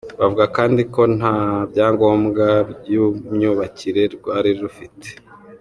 Bavuga kandi ko nta byangombwa by'imyubakire rwari rufite.